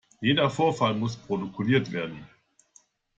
Jeder Vorfall muss protokolliert werden.